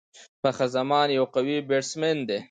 فخر زمان یو قوي بيټسمېن دئ.